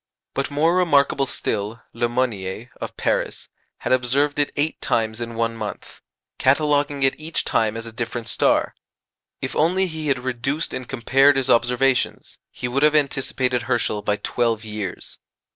But more remarkable still, Le Monnier, of Paris, had observed it eight times in one month, cataloguing it each time as a different star. If only he had reduced and compared his observations, he would have anticipated Herschel by twelve years.